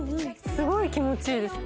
すごい気持ちいいです